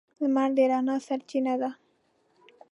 • لمر د رڼا سرچینه ده.